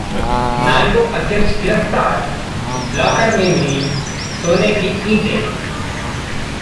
नाल्को अध्यक्ष गिरफ्तार, लॉकर में मिली सोने की ईंटें